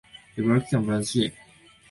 茨城県阿見町